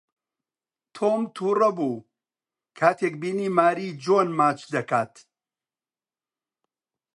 تۆم تووڕە بوو کاتێک بینی ماری جۆن ماچ دەکات.